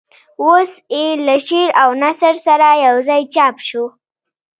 اوس یې له شعر او نثر سره یوځای چاپ شو.